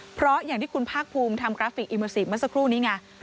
เพราะอย่างที่คุณภาคภูมิทำกราฟิกอิเมอร์ซีฟเมื่อสักครู่นี้ไง